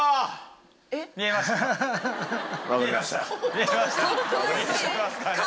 見えましたか。